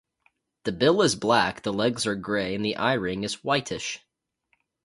The bill is black, the legs are grey, and the eye-ring is whitish.